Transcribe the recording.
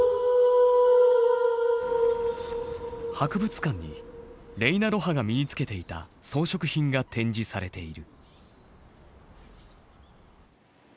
博物館にレイナ・ロハが身につけていた装飾品が展示されている。